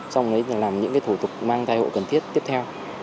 sau đấy thì làm những thủ tục mang thai hộ cần thiết tiếp theo